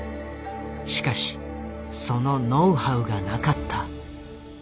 しかしそのノウハウがなかった。